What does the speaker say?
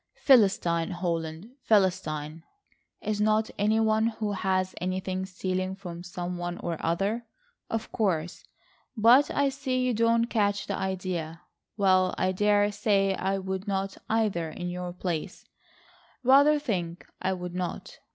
"Philistine, Holland, philistine! Is not any one who has anything stealing from some one or other? Of course. But I see you don't catch the idea. Well, I dare say I would not either in your place—rather think I would not.